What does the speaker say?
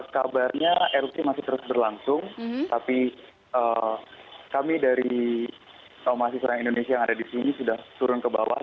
kabarnya erupsi masih terus berlangsung tapi kami dari mahasiswa indonesia yang ada di sini sudah turun ke bawah